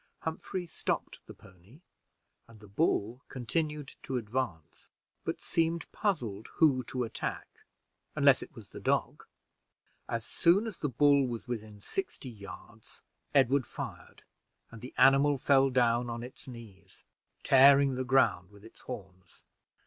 Humphrey stopped the pony and the bull continued to advance, but seemed puzzled who to attack, unless it was the dog. As soon as the bull was within sixty yards, Edward fired, and the animal fell down on its knees, tearing the ground with its horns.